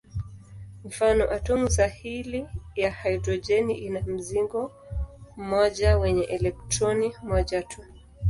Mfano: atomu sahili ya hidrojeni ina mzingo mmoja wenye elektroni moja tu.